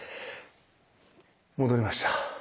戻りました。